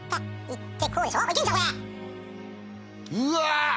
うわ！